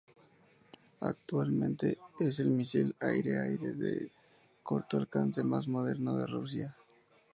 Actualmente es el misil aire-aire de corto alcance más moderno de Rusia.